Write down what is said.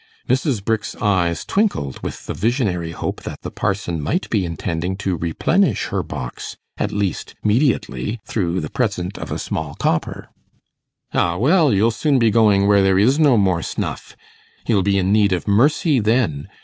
Mrs. Brick's eyes twinkled with the visionary hope that the parson might be intending to replenish her box, at least mediately, through the present of a small copper. 'Ah, well! you'll soon be going where there is no more snuff. You'll be in need of mercy then.